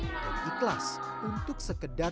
dia ikhlas untuk sekedar